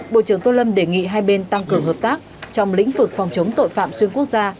bộ trưởng tô lâm đề nghị hai bên tăng cường hợp tác trong lĩnh vực phòng chống tội phạm xuyên quốc gia